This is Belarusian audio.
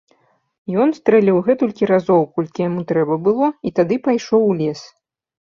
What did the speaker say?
Ён стрэліў гэтулькі разоў, колькі яму трэба было, і тады пайшоў у лес.